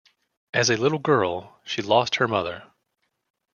As a little girl, she lost her mother.